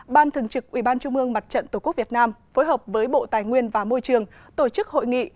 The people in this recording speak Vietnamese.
ban thường trực ubnd tqvn phối hợp với bộ tài nguyên và môi trường tổ chức hội nghị